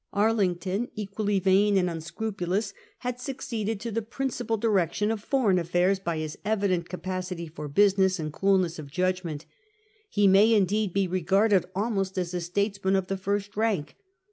Arlington, equally vain and unscru pulous, had succeeded to the principal direction of foreign affairs by his evident capacity for business and coolness of judgment. He may indeed be regarded almost as a statesman of the first rank.